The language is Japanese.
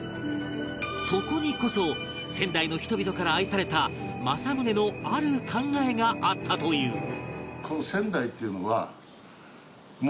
そこにこそ仙台の人々から愛された政宗のある考えがあったという